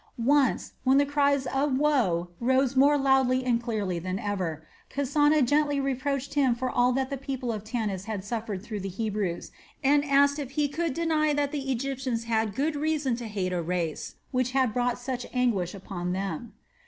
Once, when the cries of woe rose more loudly and clearly than ever, Kasana gently reproached him for all that the people of Tanis had suffered through the Hebrews, and asked if he could deny that the Egyptians had good reason to hate a race which had brought such anguish upon them.